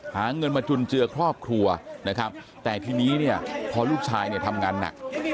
หาเงินมาจุนเจือครอบครัวนะครับแต่ทีนี้เนี่ยพอลูกชายเนี่ยทำงานหนัก